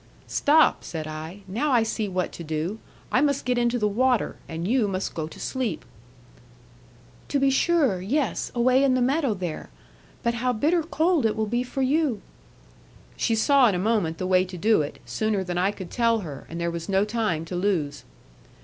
'Stop,' said I; 'now I see what to do. I must get into the water, and you must go to sleep.' 'To be sure, yes, away in the meadow there. But how bitter cold it will be for you!' She saw in a moment the way to do it, sooner than I could tell her; and there was no time to lose.